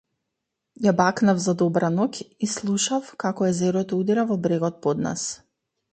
Ја бакнав за добра ноќ и слушав како езерото удира во брегот под нас.